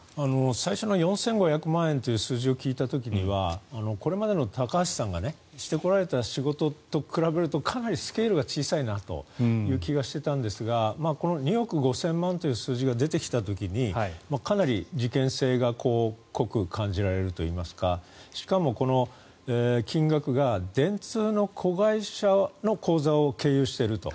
最初の４５００万円という数字を聞いた時にはこれまでの高橋さんがしてこられた仕事と比べるとかなりスケールが小さいなという気がしていたんですがこの２億５０００万円という数字が出てきた時にかなり事件性が濃く感じられるといいますかしかも金額が電通の子会社の口座を経由していると。